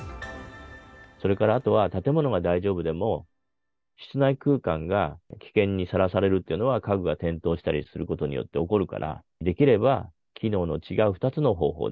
それからあとは建物が大丈夫でも、室内空間が危険にさらされるというのは、家具が転倒したりすることによって起こるから、できれば機能の違う２つの方法で。